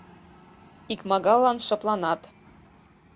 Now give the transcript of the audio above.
Икмагаллан шыпланат.